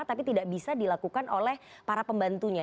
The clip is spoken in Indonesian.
tapi tidak bisa dilakukan oleh para pembantunya